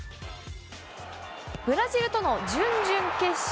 ブラジルとの準々決勝。